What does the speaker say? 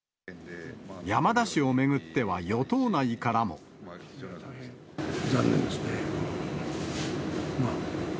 山田氏を巡っては与党内から残念ですね。